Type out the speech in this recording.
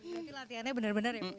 tapi latihannya benar benar ya